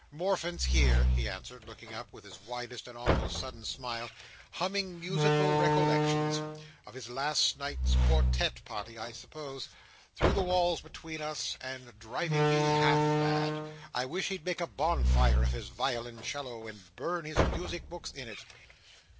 "Morfin's here," he answered, looking up with his widest and almost sudden smile; "humming musical recollections—of his last night's quartette party, I suppose—through the walls between us, and driving me half mad. I wish he'd make a bonfire of his violoncello, and burn his music books in it."